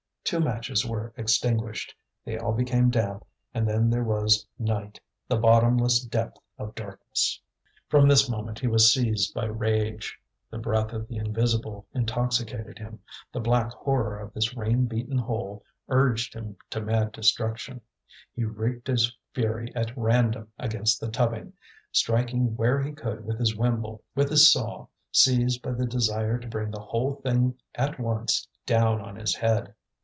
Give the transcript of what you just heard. Two matches were extinguished. They all became damp and then there was night, the bottomless depth of darkness. From this moment he was seized by rage. The breath of the invisible intoxicated him, the black horror of this rain beaten hole urged him to mad destruction. He wreaked his fury at random against the tubbing, striking where he could with his wimble, with his saw, seized by the desire to bring the whole thing at once down on his head.